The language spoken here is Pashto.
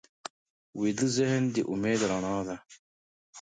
ویده ذهن د امید رڼا ده